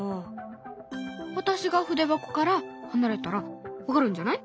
私が筆箱から離れたら分かるんじゃない？